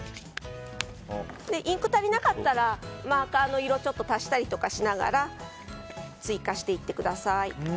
インクが足りなかったらマーカーの色を足したりしながら追加していってください。